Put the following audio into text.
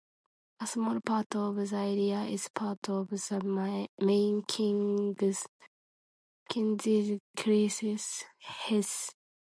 A small part of the area is part of the Main-Kinzig-Kreis, Hesse.